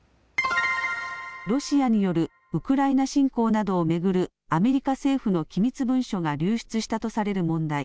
ロシアによるウクライナ侵攻などを巡るアメリカ政府の機密文書が流出したとされる問題。